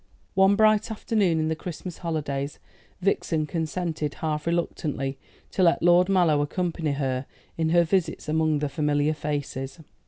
One bright afternoon in the Christmas holidays Vixen consented, half reluctantly, to let Lord Mallow accompany her in her visits among the familiar faces.